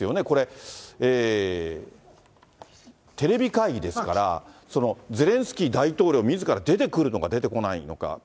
これ、テレビ会議ですから、ゼレンスキー大統領みずから出てくるのか、出てこないのか。